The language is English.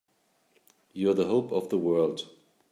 You're the hope of the world!